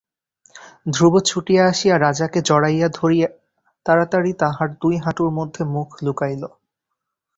ধ্রুব ছুটিয়া আসিয়া রাজাকে জড়াইয়া ধরিয়া তাড়াতাড়ি তাঁহার দুই হাঁটুর মধ্যে মুখ লুকাইল।